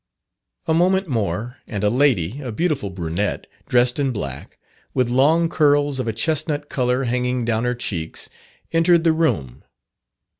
A moment more, and a lady a beautiful brunette dressed in black, with long curls of a chesnut colour hanging down her cheeks, entered the room.